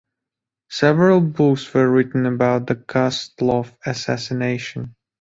Several books were written about the Gustloff assassination.